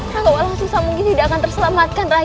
raka walang sungsam mungkin tidak akan terselamatkan rai